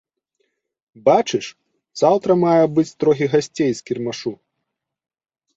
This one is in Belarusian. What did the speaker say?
Бачыш, заўтра мае быць трохі гасцей з кірмашу.